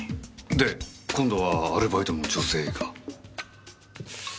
で今度はアルバイトの女性が。